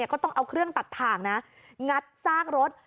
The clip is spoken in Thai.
ก็ต้องเอาเครื่องตัดทางงัดสร้างรถ